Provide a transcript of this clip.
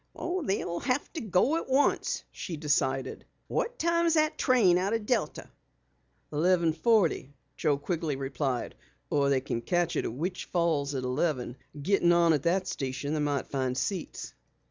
"They'll have to go at once," she decided. "What time's that train out o' Delta?" "Eleven forty," Joe Quigley replied. "Or they can catch it at Witch Falls at eleven. Getting on at that station they might find seats."